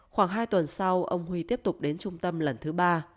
khoảng hai tuần sau ông huy tiếp tục đến trung tâm lần thứ ba